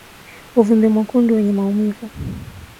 Uvimbe mwekundu wenye maumivu